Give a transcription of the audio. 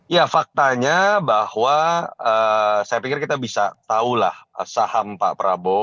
ya faktanya bahwa saya pikir kita bisa tahulah saham pak prabowo